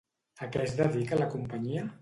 A què es dedica la companyia?